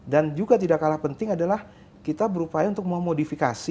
dan juga tidak kalah penting adalah kita berupaya untuk memodifikasi